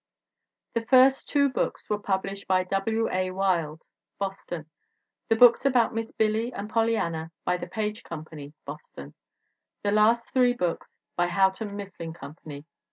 The first two books were published by W . A. Wilde, Boston; the books about Miss Billy and Pollyanna by the Page Company, Boston; the last three books by Houghton Mifflin Company, Boston.